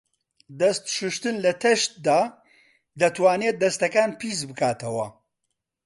دەست شوشتن لە تەشتدا دەتوانێت دەستەکان پیسبکاتەوە.